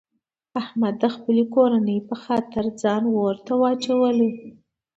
احمد د خپلې کورنۍ په خاطر ځان اورته واچولو.